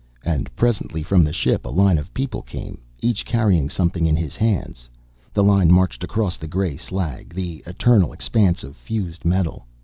And presently, from the ship, a line of people came, each carrying something in his hands. The line marched across the gray slag, the eternal expanse of fused metal.